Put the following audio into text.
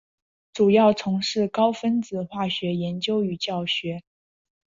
主要从事高分子化学研究与教学。